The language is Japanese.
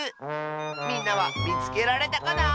みんなはみつけられたかな？